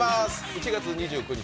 ７月２９日